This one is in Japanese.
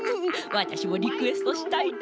わたしもリクエストしたいな。